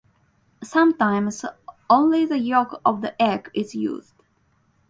Sometimes only the yolk of the egg is used.